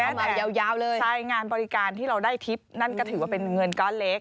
แม้แต่งานบริการที่เราได้ทิศนั่นก็ถือว่าเป็นเงินก้อนเล็ก